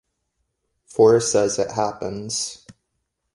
Forrest says "it happens".